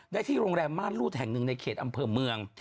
ได้ที่โรงแรมม่านรูดแห่งหนึ่งในเขตอำเภอเมือง